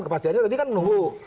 kepastiannya tadi kan menunggu